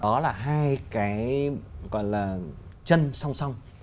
đó là hai cái gọi là chân song song